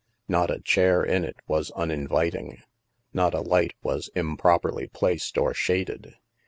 Not a chair in it was uninviting, not a light was improperly placed or shaded.